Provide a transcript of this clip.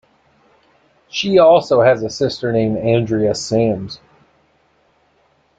She also has a sister named Andrea Sams.